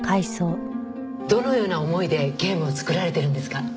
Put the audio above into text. どのような思いでゲームを作られているんですか？